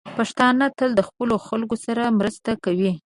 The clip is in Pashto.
پښتانه تل د خپلو خلکو سره مرسته کوي.